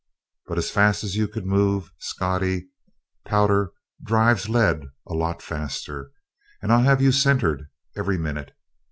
But, fast as you could move, Scottie, powder drives lead a lot faster. And I'll have you centered every minute.